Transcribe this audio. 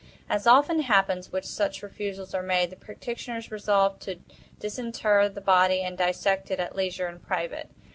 As often happens, when such refusals are made, the practitioners resolved to disinter the body and dissect it at leisure, in private.